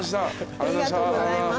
ありがとうございます。